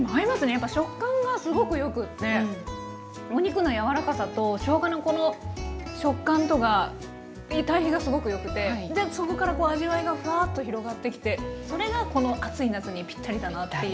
やっぱ食感がすごくよくってお肉の柔らかさとしょうがのこの食感とが対比がすごくよくてでそこからこう味わいがふわっと広がってきてそれがこの暑い夏にぴったりだなっていう。